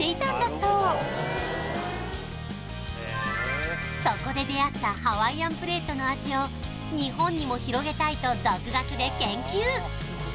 そうそこで出会ったハワイアンプレートの味を日本にも広げたいと独学で研究